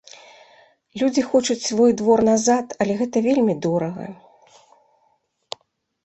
Людзі хочуць свой двор назад, але гэта вельмі дорага.